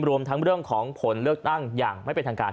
รวมทั้งเรื่องของผลเลือกตั้งอย่างไม่เป็นทางการ